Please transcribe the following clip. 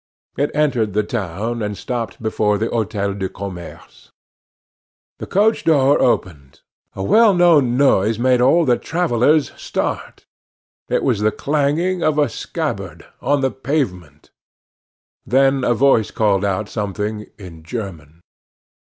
It entered the town, and stopped before the Hotel du Commerce. The coach door opened; a well known noise made all the travellers start; it was the clanging of a scabbard, on the pavement; then a voice called out something in German.